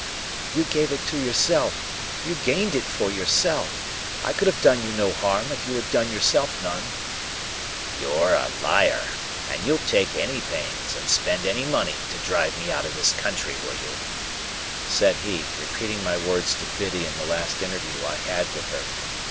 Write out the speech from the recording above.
"You gave it to yourself; you gained it for yourself. I could have done you no harm, if you had done yourself none." "You're a liar. And you'll take any pains, and spend any money, to drive me out of this country, will you?" said he, repeating my words to Biddy in the last interview I had with her.